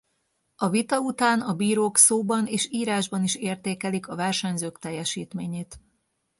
A vita után a bírók szóban és írásban is értékelik a versenyzők teljesítményét.